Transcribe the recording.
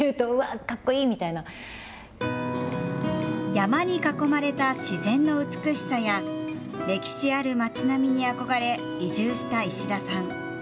山に囲まれた自然の美しさや歴史ある街並みに憧れ移住した石田さん。